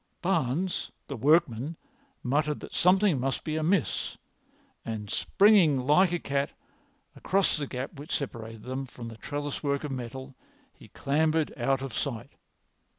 Barnes, the workman, muttered that something must be amiss, and springing like a cat across the gap which separated them from the trellis work of metal he clambered out of sight.